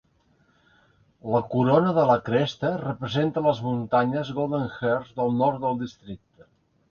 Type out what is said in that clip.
La corona de la cresta representa les muntanyes Golden Ears del nord del districte.